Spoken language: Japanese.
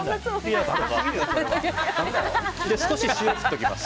少し塩を振っておきます。